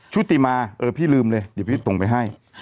ชุติมาเออพี่ลืมเลยเดี๋ยวพี่ส่งไปให้